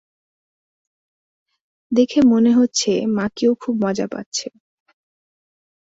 দেখে মনে হচ্ছে, মাকিও খুব মজা পাচ্ছে।